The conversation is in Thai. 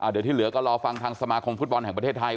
เดี๋ยวที่เหลือก็รอฟังทางสมาคมฟุตบอลแห่งประเทศไทย